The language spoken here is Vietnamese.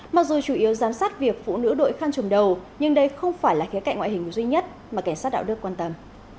mặc dù chủ yếu giám sát việc phụ nữ đội khăn trùm đầu nhưng đây không phải là khía cạnh ngoại hình duy nhất mà cảnh sát đạo đức quan tâm